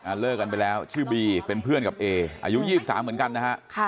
เลิกกันไปแล้วชื่อบีเป็นเพื่อนกับเออายุยี่สิบสามเหมือนกันนะฮะค่ะ